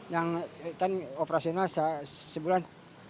yang kan operasional sebulan tiga ratus tujuh puluh lima